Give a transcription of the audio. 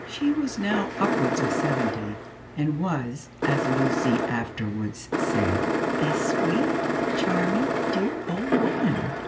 She was now upwards of seventy, and was, as Lucy afterwards said, "a sweet, charming, dear old woman."